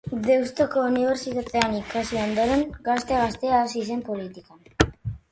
Deustuko Unibertsitatean ikasi ondoren, gazte-gaztea hasi zen politikan.